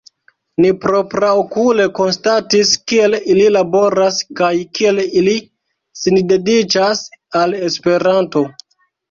Ni propraokule konstatis kiel ili laboras kaj kiel ili sindediĉas al Esperanto.